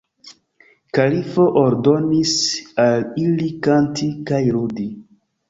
Kalifo ordonis al ili kanti kaj ludi.